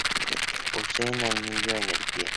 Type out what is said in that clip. Poseen anillo en el pie.